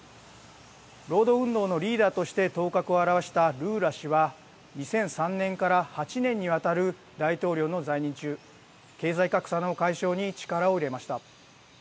労働運動のリーダーとして頭角を現したルーラ氏は２００３年から８年にわたる大統領の在任中、経済格差の解消に力を入れました。